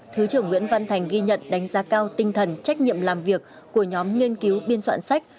thứ trưởng nguyễn văn thành ghi nhận đánh giá cao tinh thần trách nhiệm làm việc của nhóm nghiên cứu biên soạn sách